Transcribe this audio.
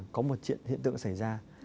có một hiện tượng xảy ra